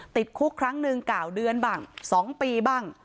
ติดคุกครั้งหนึ่ง๙เดือนบ้าง๒ปีบ้าง